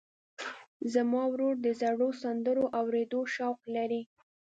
زما ورور د زړو سندرو اورېدو شوق لري.